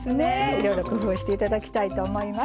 いろいろ工夫して頂きたいと思います。